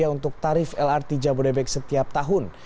untuk tarif lrt jabodebek setiap tahun